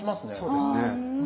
そうですね。